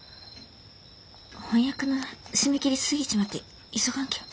翻訳の締め切り過ぎちまって急がんきゃ。